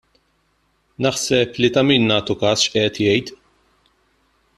Naħseb li ta' min nagħtu każ x'qed jgħid.